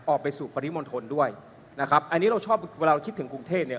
ออกไปสู่ปริมณฑลด้วยนะครับอันนี้เราชอบเวลาเราคิดถึงกรุงเทพเนี่ย